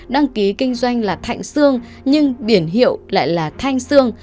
đăng ký kinh doanh là thạnh sương nhưng biển hiệu lại là thanh sương